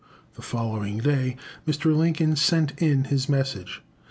The following day, Mr. Lincoln sent in his Message.